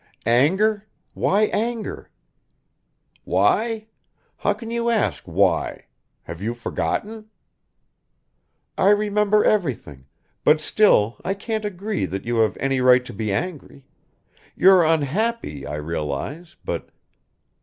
"Anger? Why anger?" "Why? How can you ask why? Have you forgotten?" "I remember everything, but still I can't agree that you have any right to be angry. You're unhappy, I realize, but